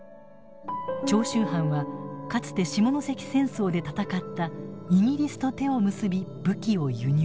長州藩はかつて下関戦争で戦ったイギリスと手を結び武器を輸入。